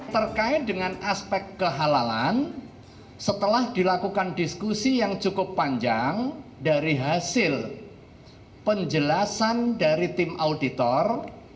terkait dengan aspek kehalalan setelah dilakukan diskusi yang cukup panjang dari hasil penjelasan dari tim auditor